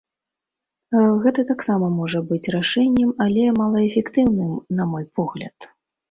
Гэта таксама можа быць рашэннем, але малаэфектыўным, на мой погляд.